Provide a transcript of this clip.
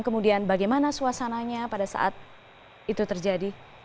kemudian bagaimana suasananya pada saat itu terjadi